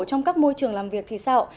trong các môi trường làm việc thì sao